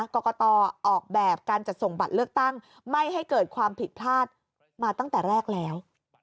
กรกตออกแบบการจัดส่งบัตรเลือกตั้งไม่ให้เกิดความผิดพลาดมาตั้งแต่แรกแล้ว